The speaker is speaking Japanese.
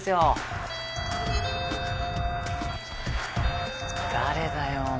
・誰だよ？